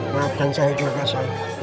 maafkan saya terima kasih